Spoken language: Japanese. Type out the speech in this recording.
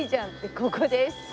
ここです。